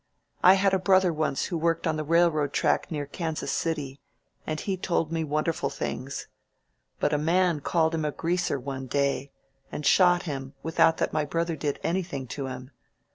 I had a brother once who worked on the railroad track near Kansas City, and he told me wonderful things. But a man called him ^greaser' one day and shot him without that my brother did anything to him.